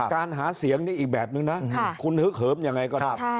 การหาเสียงนี่อีกแบบนึงนะคุณฮึกเหิมยังไงก็ได้